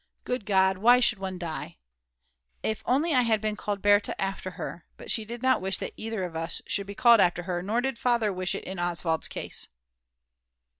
Good God, why should one die? If only I had been called Berta after her; but she did not wish that either of us should be called after her, nor did Father wish it in Oswald's case.